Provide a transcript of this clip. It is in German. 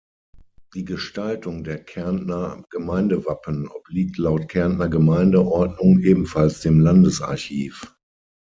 Die Gestaltung der Kärntner Gemeindewappen obliegt laut Kärntner Gemeindeordnung ebenfalls dem Landesarchiv.